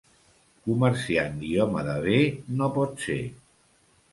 Comerciant i home de bé, no pot ser.